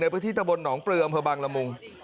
พื้นที่ตะบนหนองปลืออำเภอบางละมุง